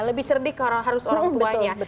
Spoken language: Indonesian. lebih cerdik orang harus orang tuanya